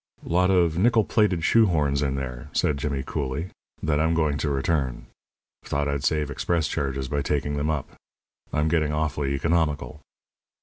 "Lot of nickel plated shoe horns in there," said Jimmy, coolly, "that I'm going to return. Thought I'd save express charges by taking them up. I'm getting awfully economical."